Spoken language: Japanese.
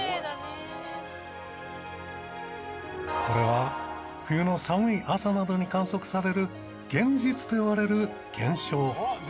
これは冬の寒い朝などに観測される幻日といわれる現象。